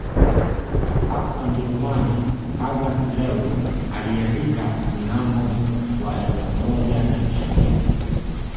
Afisa Mjerumani August Leue aliandika mnamo wa elfu moja na mia tisa